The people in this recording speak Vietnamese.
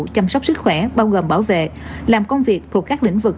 chăm sóc sức khỏe bao gồm bảo vệ làm công việc thuộc các lĩnh vực